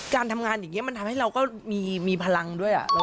การทำงานอย่างนี้มันทำให้เราก็มีพลังด้วย